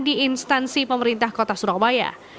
di instansi pemerintah kota surabaya